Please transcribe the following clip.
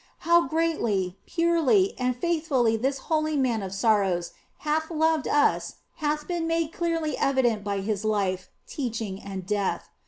How greatly, purely, and faithfully this holy Man of Sorrows hath loved us hath been made clearly evident by His life, teaching, and death.